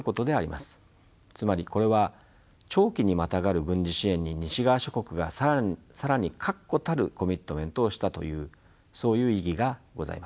つまりこれは長期にまたがる軍事支援に西側諸国が更に確固たるコミットメントをしたというそういう意義がございます。